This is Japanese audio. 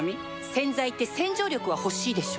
洗剤って洗浄力は欲しいでしょ